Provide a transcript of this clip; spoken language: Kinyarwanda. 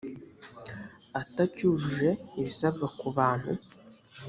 atacyujuje ibisabwa ku bantu